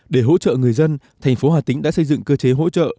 để hỗ trợ người dân thành phố hà tĩnh đã xây dựng cơ chế hỗ trợ